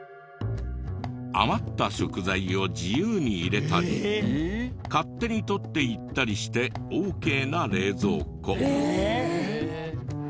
「あまった食材を自由に入れたり勝手に取っていったりしてＯＫな冷蔵庫」